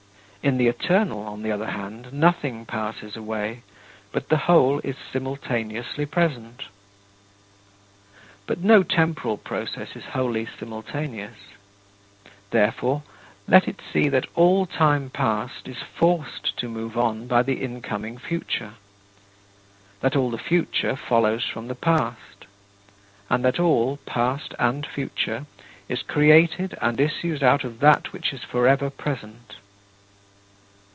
In the Eternal, on the other hand, nothing passes away, but the whole is simultaneously present. But no temporal process is wholly simultaneous. Therefore, let it see that all time past is forced to move on by the incoming future; that all the future follows from the past; and that all, past and future, is created and issues out of that which is forever present.